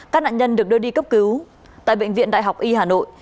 các nạn nhân được đưa đi cấp cứu tại bệnh viện đại học y hà nội